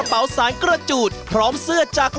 เอาเลยค่ะดิ๊กเริ่มเลยลูก